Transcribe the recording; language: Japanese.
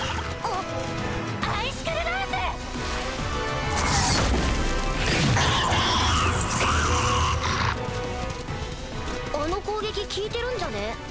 あの攻撃効いてるんじゃね？